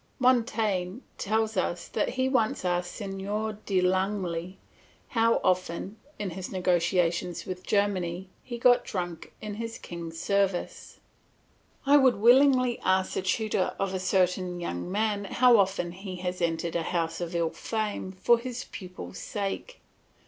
Montaigne tells us that he once asked Seigneur de Langey how often, in his negotiations with Germany, he had got drunk in his king's service. I would willingly ask the tutor of a certain young man how often he has entered a house of ill fame for his pupil's sake.